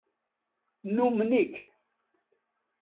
Numen-ik.